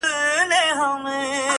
مور چي ژړيږي زوی يې تللی د کلو په سفر!